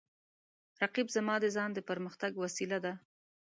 رقیب زما د ځان د پرمختګ وسیله ده